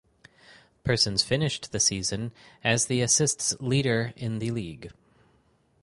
Persons finished the season as the assists leader in the league.